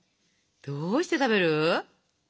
どうして食べる？